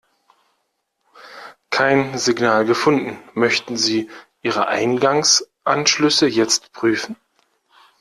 Kein Signal gefunden. Möchten Sie ihre Eingangsanschlüsse jetzt prüfen?